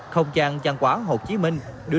không tràn trang quả hồ chí minh